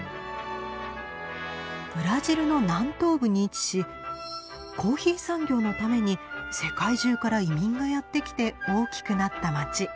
ブラジルの南東部に位置しコーヒー産業のために世界中から移民がやって来て大きくなった街。